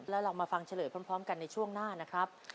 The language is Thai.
แล้วเรามาฟังเฉลยพร้อมกันในช่วงหน้านะครับ